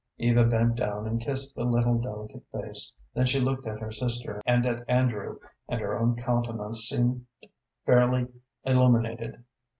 Eva bent down and kissed the little, delicate face; then she looked at her sister and at Andrew, and her own countenance seemed fairly illuminated.